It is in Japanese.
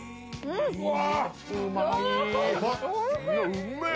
うめえ。